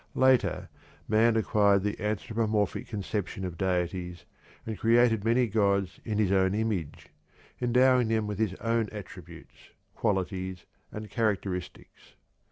Later, man acquired the anthropomorphic conception of deities and created many gods in his own image, endowing them with his own attributes, qualities, and characteristics.